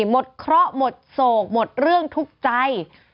หมดเคราะห์หมดโศกหมดเรื่องทุกข์ใจ